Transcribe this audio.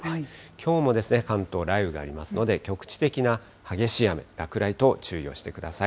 きょうもですね、関東、雷雨がありますので、局地的な激しい雨、落雷等注意をしてください。